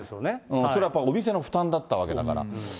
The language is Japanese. それはやっぱりお店の負担だったわけだから。